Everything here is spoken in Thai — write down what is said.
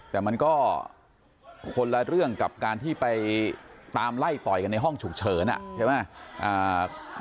แต่มันก็คนละเรื่องกับการที่ไปตามไล่ต่อยกันในห้องฉุกเฉินใช่ไหม